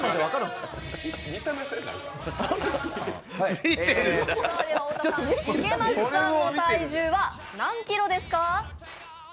では太田さん池松さんの体重は何キロですか？